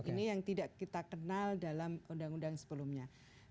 ini yang tidak kita kenal dalam undang undang sebelumnya